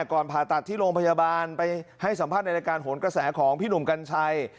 ก่อนผ่าตัดที่โรงพยาบาลไปให้สัมภาษณ์ในรายการโหนกระแสของพี่หนุ่มกัญชัย